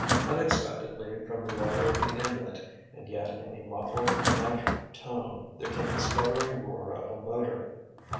Unexpectedly, from the water of the inlet, and yet in a muffled, unnatural tone, there came the sputtering roar of a motor.